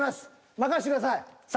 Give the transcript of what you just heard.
任してください。